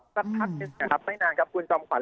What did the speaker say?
สักพัฒน์ไม่นานครับคุณจอมขวัญ